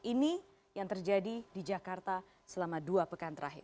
ini yang terjadi di jakarta selama dua pekan terakhir